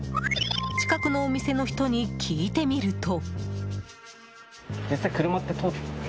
近くのお店の人に聞いてみると。